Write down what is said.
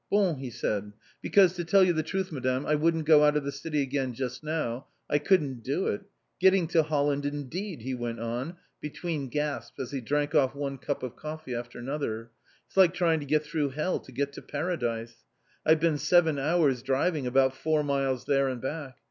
"Bon!" he said. "Because, to tell you the truth, Madame, I wouldn't go out of the city again just now. I couldn't do it. Getting to Holland, indeed," he went on, between gasps as he drank off one cup of coffee after another, "it's like trying to get through hell to get to Paradise ... I've been seven hours driving about four miles there and back.